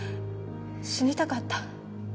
死にたかった。